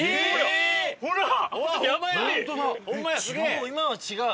もう今は違う？